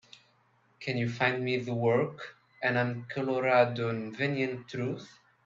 Can you find me the work, An InColorado Nvenient Truth?